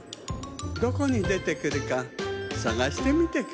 どこにでてくるかさがしてみてくださいね。